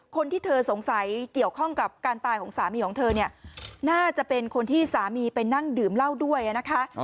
คนที่เธอสงสัยเกี่ยวข้องกับการตายของสามีของเธอเนี่ยน่าจะเป็นคนที่สามีไปนั่งดื่มเหล้าด้วยนะคะ